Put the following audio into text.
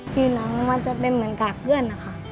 ผิวหนังมันจะเป็นเหมือนกากเพื่อนนะคะ